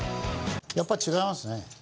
やっぱ違いますね。